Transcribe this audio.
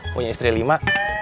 punya istri lima